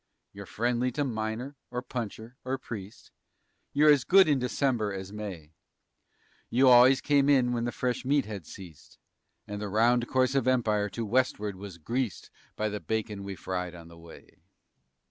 You're friendly to miner or puncher or priest; You're as good in December as May; You always came in when the fresh meat had ceased And the rough course of empire to westward was greased By the bacon we fried on the way.